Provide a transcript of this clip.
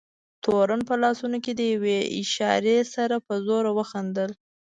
تورن په لاسونو د یوې اشارې سره په زوره وخندل.